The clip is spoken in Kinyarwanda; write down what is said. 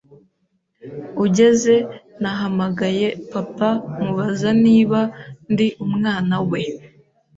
ugeze nahamagaye papa mubaza niba ndi umwana we,